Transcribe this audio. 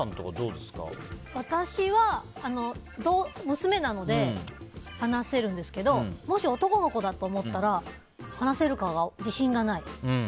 私は娘なので話せるんですけどもし男の子だと思ったら話せるか自信がない。